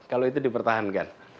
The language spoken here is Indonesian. kalau itu dipertahankan